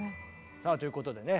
さあということでね